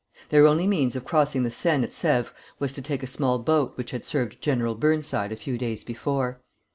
Their only means of crossing the Seine at Sèvres was to take a small boat which had served General Burnside a few days before.